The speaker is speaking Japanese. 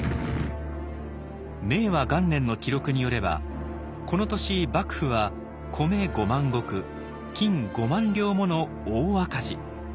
明和元年の記録によればこの年幕府は米５万石金５万両もの大赤字。